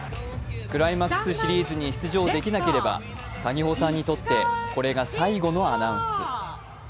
クライマックスシリーズに出場できなければ谷保さんにとって、これが最後のアナウンス。